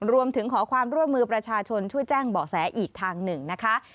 รวมถึงขอความร่วมมือประชาชนช่วยแจ้งเบาะแสอีกทางหนึ่งนะคะ